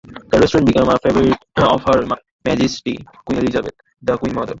The restaurant became a favourite of Her Majesty Queen Elizabeth, the Queen Mother.